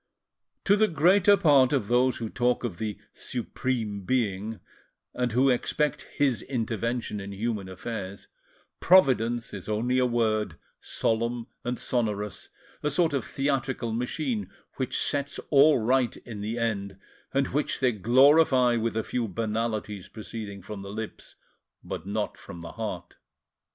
To the greater part of those who talk of the "Supreme Being," and who expect His intervention in human affairs, "Providence" is only a word, solemn and sonorous, a sort of theatrical machine which sets all right in the end, and which they glorify with a few banalities proceeding from the lips, but not from the heart.